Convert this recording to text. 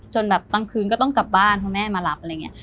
แบบกลางคืนก็ต้องกลับบ้านเพราะแม่มารับอะไรอย่างนี้